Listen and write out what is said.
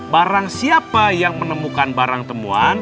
barang siapa yang menemukan barang temuan